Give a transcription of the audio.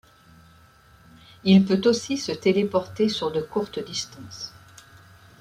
Il peut aussi se téléporter sur de courtes distances.